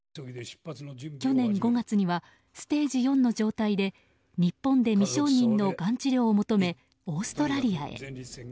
去年５月にはステージ４の状態で日本で未承認のがん治療を求めオーストラリアへ。